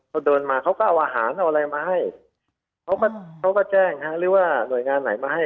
เขาเดินมาเขาก็เอาอาหารเอาอะไรมาให้เขาก็เขาก็แจ้งหรือว่าหน่วยงานไหนมาให้